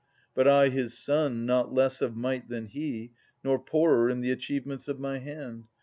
But I his son, not less of might than he, Nor poorer in the achievements of my hand.